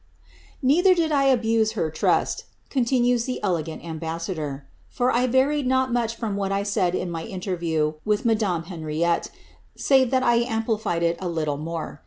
Neither did I abuse her trust," continues the elegant ambassador; for 1 varied not much from what I said in my interview with madame Hem iette, save that I amplified it a little more.